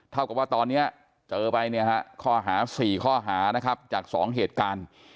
เท่ากับว่าตอนนี้เจอไปเนี่ยฮะข้อหา๔ข้อหานะครับจาก๒เหตุการณ์